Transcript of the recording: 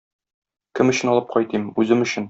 Кем өчен алып кайтыйм, үзем өчен.